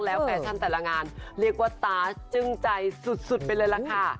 แล้วแฟชั่นแต่ละงานเรียกว่าตาจึ้งใจสุดไปเลยล่ะค่ะ